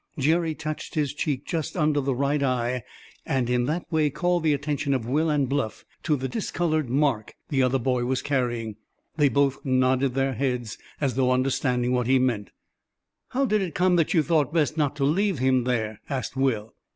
Jerry touched his cheek just under the right eye, and in that way called the attention of Will and Bluff to the discolored mark the other boy was carrying. They both nodded their heads, as though understanding what he meant. "How did it come that you thought best not to leave him there?" asked Will.